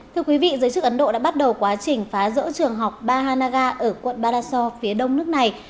thưa quý vị giới chức ấn độ đã bắt đầu quá trình phá rỡ trường học bahanaga ở quận badaso phía đông nước này